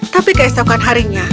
tapi keesokan harinya